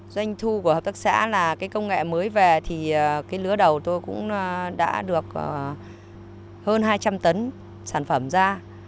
doanh thu của hợp tác xã là cái công nghệ mới về thì cái lứa đầu tôi cũng đã được hơn hai trăm linh tấn sản phẩm ra